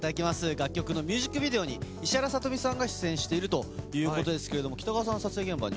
楽曲のミュージックビデオに、石原さとみさんが出演しているということですけれども、北川さん、撮影現場に？